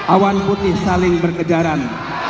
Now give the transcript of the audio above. awan putih saling berkejaran